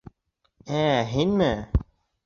Ә һинме?